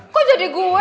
kok jadi gue